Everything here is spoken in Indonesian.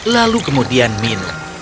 lalu kemudian minum